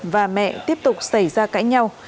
bà mẹ tiếp tục xảy ra cãi nhau